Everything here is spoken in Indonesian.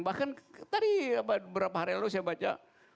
bahkan tadi beberapa hari lalu saya baca